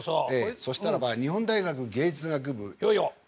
そしたらば日本大学芸術学部映画学科。